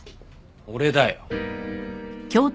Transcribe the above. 俺だよ。